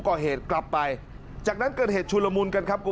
ก่อเหตุกลับไปจากนั้นเกิดเหตุชุลมุนกันครับ